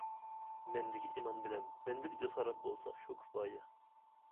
مەندىكى ئىمان بىلەن مەندىكى جاسارەت بولسا شۇ كۇپايە!